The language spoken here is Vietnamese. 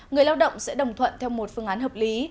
người lao động sẽ đồng thuận theo một phương án hợp lý